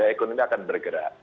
ekonomi akan bergerak